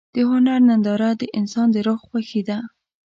د هنر ننداره د انسان د روح خوښي ده.